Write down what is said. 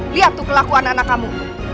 lihat tuh kelakuan anak kamu